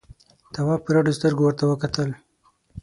تواب په رډو سترګو ورته وکتل.